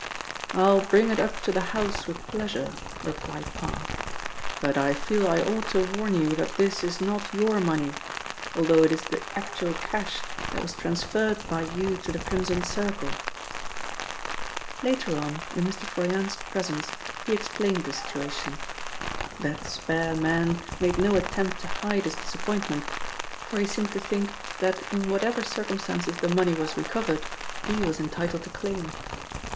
"I'll bring it up to the house with pleasure," replied Parr, "but I feel I ought to warn you that this is not your money, although it is the actual cash that was transferred by you to the Crimson Circle." Later on, in Mr. Froyant's presence, he explained the situation. That spare man made no attempt to hide his disappointment, for he seemed to think that in whatever circumstances the money was recovered, he was entitled to claim.